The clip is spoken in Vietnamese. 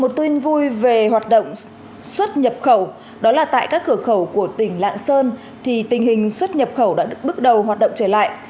một tin vui về hoạt động xuất nhập khẩu đó là tại các cửa khẩu của tỉnh lạng sơn thì tình hình xuất nhập khẩu đã bước đầu hoạt động trở lại